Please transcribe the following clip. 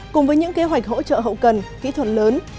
cùng với những kế hoạch hỗ trợ hậu cần kỹ thuật lớn